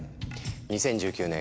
２０１９年